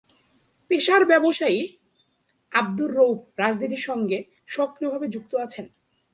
পেশার ব্যবসায়ী আবদুর রউফ রাজনীতির সঙ্গে সক্রিয় ভাবে যুক্ত আছেন।